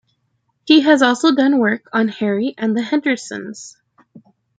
He has also done work on "Harry and the Hendersons".